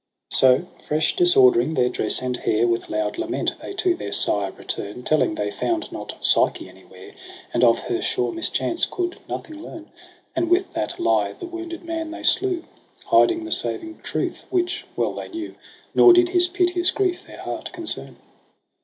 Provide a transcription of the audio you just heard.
So fresh disordering their dress and hair, With loud lament they to their sire return. Telling they found not Psyche anywhere. And of her sure mischance could nothing learn : And with that lie the wounded man they slew. Hiding the saving truth which well they knew j Nor did his piteous grief their heart concern.